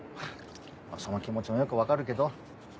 その気持ちもよく分かるけど。